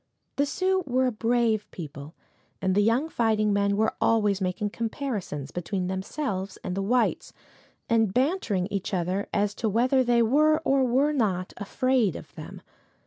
The Sioux were a brave people, and the young fighting men were always making comparisons between themselves and the whites, and bantering each other as to whether they were or were not afraid of them.